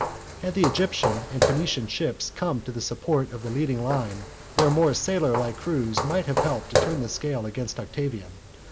Had the Egyptian and Phoenician ships come to the support of the leading line, their more sailor like crews might have helped to turn the scale against Octavian.